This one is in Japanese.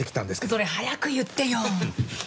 それ早く言ってよ！